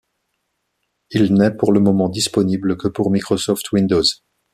Il n'est pour le moment disponible que pour Microsoft Windows.